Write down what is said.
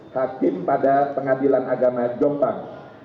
hakim pada pengadilan agama jombang